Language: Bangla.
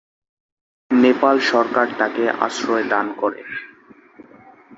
নেপাল সরকার তাকে আশ্রয় দান করে।